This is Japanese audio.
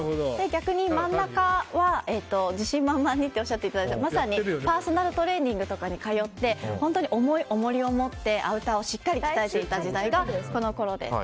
逆に、真ん中は自信満々にとおっしゃっていただいたようにまさにパーソナルトレーニングとかに通って本当に思い重りを持ってアウターをしっかり鍛えていた時代がこのころです。